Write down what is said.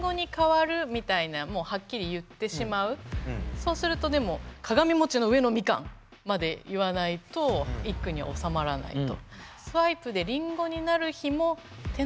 そうするとでも鏡の上のみかんまで言わないと一句には収まらないと。